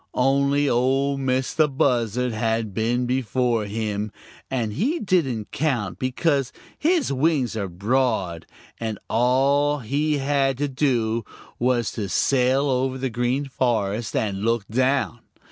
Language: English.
Only Ol' Mistah Buzzard had been before him, and he didn't count because his wings are broad, and all he had to do was to sail over the Green Forest and look down.